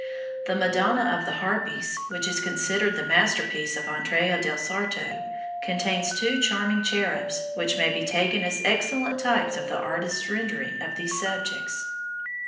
The Madonna of the Harpies, which is considered the masterpiece of Andrea del Sarto, contains two charming cherubs, which may be taken as excellent types of the artist's rendering of these subjects.